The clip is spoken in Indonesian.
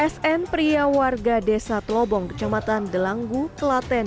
sn pria warga desa telobong kecamatan delanggu kelaten